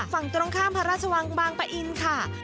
ฝั่งตรงข้ามพระราชวังบางปะอินค่ะ